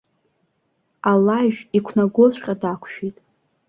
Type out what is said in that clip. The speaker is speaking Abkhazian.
Алажә, иқәнагозҵәҟьа дақәшәеит!